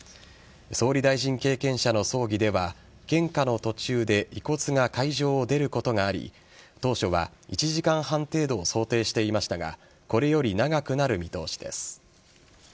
総理大臣経験者の葬儀では献花の途中で遺骨が会場を出ることがあり当初は１時間半程度を想定していましたがこれより長くなる見通しです。